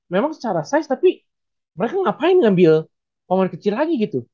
memang secara size tapi mereka ngapain ngambil paman kecil lagi gitu